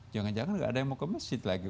jangan jangan nggak ada yang mau ke masjid lagi